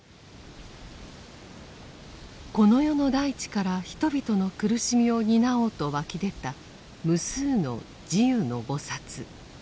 この世の大地から人々の苦しみを担おうと涌き出た無数の「地涌の菩薩」。